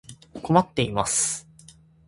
困っています。